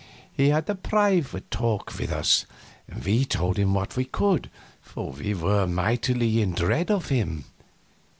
He had a private talk with us, and we told him what we could, for we were mightily in dread of him.